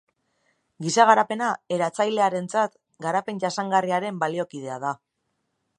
Giza garapena, eratzailearentzat, garapen jasangarriaren baliokidea da.